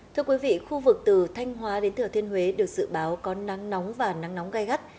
thưa quý vị khu vực từ thanh hóa đến thừa thiên huế được dự báo có nắng nóng và nắng nóng gai gắt